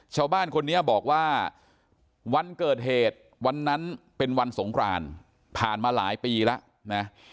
ชาวบ้านคนนี้บอกว่าวันเกิดเหตุวันนั้นเป็นวันสงครานผ่านมาหลายปีแล้วนะ